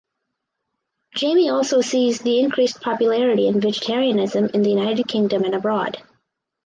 Jamie also sees the increased popularity in vegetarianism in the United Kingdom and abroad.